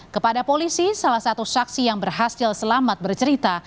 kepada polisi salah satu saksi yang berhasil selamat bercerita